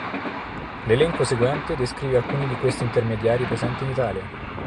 L'elenco seguente descrive alcuni di questi intermediari presenti in Italia.